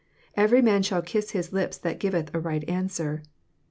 _—Every man shall kiss his lips that giveth a right answer.